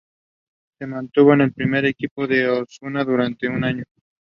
Se mantuvo en el primer equipo de Osasuna durante un año.